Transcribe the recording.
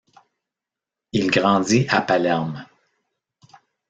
Il grandit à Palerme.